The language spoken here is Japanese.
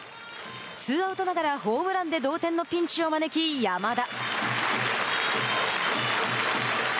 ツーアウトながらホームランで同点のピンチを招き山田。